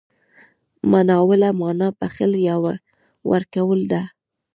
مناوله مانا بخښل، يا ورکول ده.